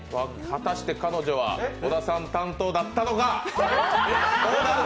果たして彼女は小田さん担当だったのか？